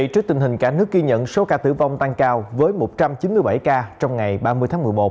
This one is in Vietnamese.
trước tình hình cả nước ghi nhận số ca tử vong tăng cao với một trăm chín mươi bảy ca trong ngày ba mươi tháng một mươi một